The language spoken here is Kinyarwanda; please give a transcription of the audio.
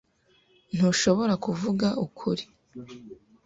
Ntushobora kuvuga ukuri.